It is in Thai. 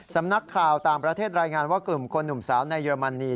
สำนักข่าวต่างประเทศรายงานว่ากลุ่มคนหนุ่มสาวในเยอรมนี